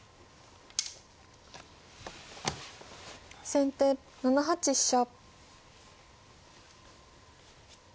先手７八飛車。